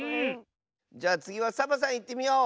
じゃあつぎはサボさんいってみよう！